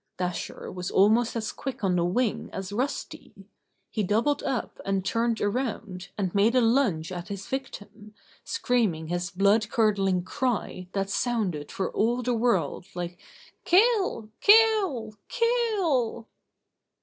Dasher was almost as quick on the wing as Rusty. He doubled up and turned around, and made a lunge at his victim, screaming his blood curdling cry that sounded for all the world like: "Kill! Kill! Kill!"